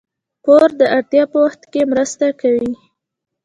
پور د اړتیا په وخت کې مرسته کوي.